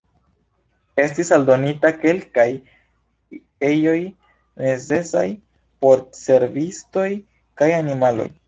Estis aldonitaj kelkaj ejoj necesaj por servistoj kaj animaloj.